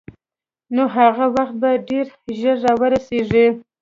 نو هغه وخت به ډېر ژر را ورسېږي.